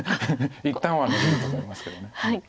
一旦はノビると思いますけど。